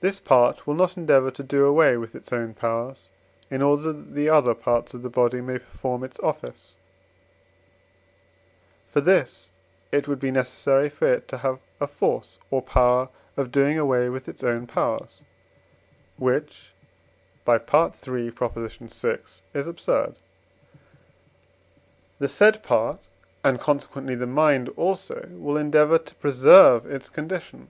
This part will not endeavour to do away with its own powers, in order that the other parts of the body may perform its office; for this it would be necessary for it to have a force or power of doing away with its own powers, which (III. vi.) is absurd. The said part, and, consequently, the mind also, will endeavour to preserve its condition.